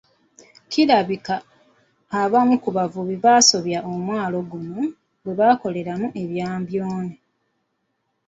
Kirabika abamu ku bavubi basobya omwalo guno bwe bakoleramu ebya mbyone.